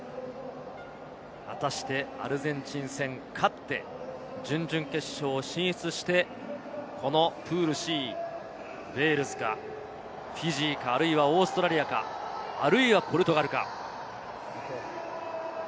果たしてアルゼンチン戦に勝って、準々決勝に進出してこのプールＣ、ウェールズか、フィジーか、あるいはオーストラリアか、あるいはポルトガルか。